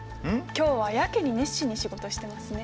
今日はやけに熱心に仕事してますね。